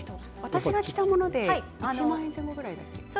私が着たもので１万円前後ぐらいだっけ？